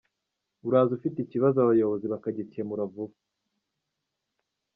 Uraza ufite ikibazo abayobozi bakagikemura vuba.